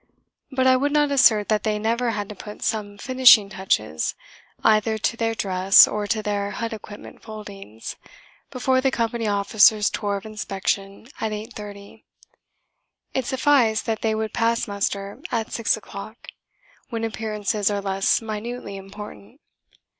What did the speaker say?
But I would not assert that they never had to put some finishing touches, either to their dress or to their hut equipment foldings, before the Company Officer's tour of inspection at 8.30. It sufficed that they would pass muster at 6 o'clock, when appearances are less minutely important.